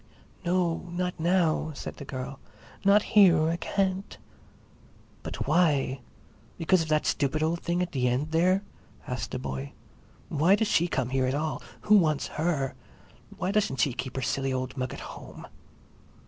"No, not now," said the girl. "Not here, I can't." "But why? Because of that stupid old thing at the end there?" asked the boy. "Why does she come here at all—who wants her? Why doesn't she keep her silly old mug at home?"